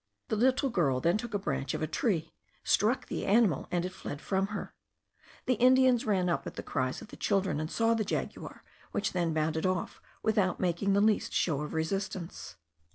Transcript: The little girl then took a branch of a tree, struck the animal, and it fled from her. The Indians ran up at the cries of the children, and saw the jaguar, which then bounded off without making the least show of resistance.